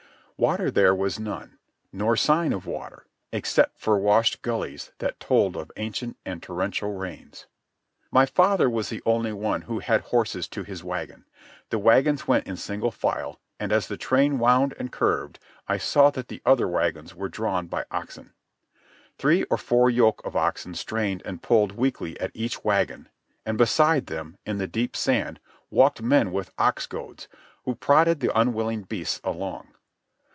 Water there was none, nor sign of water, except for washed gullies that told of ancient and torrential rains. My father was the only one who had horses to his wagon. The wagons went in single file, and as the train wound and curved I saw that the other wagons were drawn by oxen. Three or four yoke of oxen strained and pulled weakly at each wagon, and beside them, in the deep sand, walked men with ox goads, who prodded the unwilling beasts along.